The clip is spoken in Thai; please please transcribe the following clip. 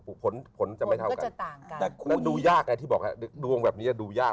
ผลจะไม่เท่ากันแต่ดูยากดวงแบบนี้ดูยาก